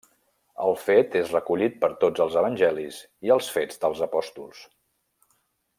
El fet és recollit per tots els Evangelis i als Fets dels Apòstols.